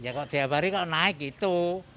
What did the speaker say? ya kalau dihabari kalau naik gitu